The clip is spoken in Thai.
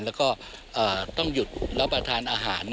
แล้วก็ต้องหยุดรับประทานอาหาร